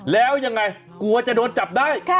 แล้วยังไงกลัวจะโดนจับได้